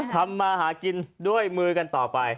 ทำมาหากินด้วยมือกันต่อไป